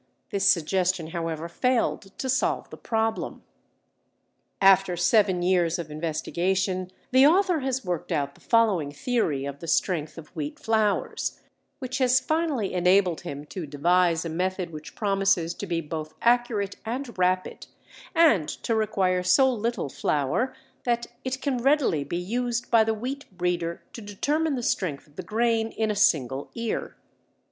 This suggestion however failed to solve the problem. After seven years of investigation the author has worked out the following theory of the strength of wheat flours, which has finally enabled him to devise a method which promises to be both accurate and rapid, and to require so little flour that it can readily be used by the wheat breeder to determine the strength of the grain in a single ear.